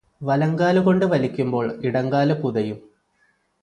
വലങ്കാലുകൊണ്ട് വലിക്കുമ്പോള് ഇടങ്കാലു പുതയും